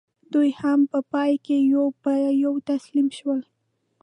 دوی هم په پای کې یو په یو تسلیم شول.